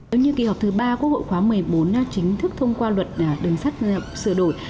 ứng như kỳ họp thứ ba quốc hội khóa một mươi bốn chính thức thông qua luật đường sắt sửa đổi